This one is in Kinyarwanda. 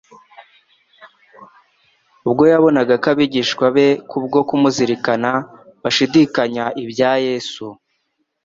ubwo yabonaga ko abigishwa be kubwo kumuzirikana, bashidikanya ibya Yesu.